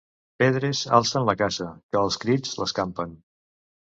Pedres alcen la caça, que els crits l'escampen.